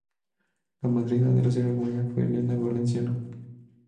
La madrina de la ceremonia fue Elena Valenciano.